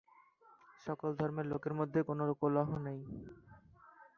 সকল ধর্মের লোকের মধ্যে কোন কলহ নেই।